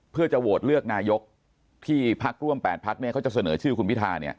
เพื่อจะโหวตเลือกนายกที่พักร่วม๘พักเขาจะเสนอชื่อคุณพิธาเนี่ย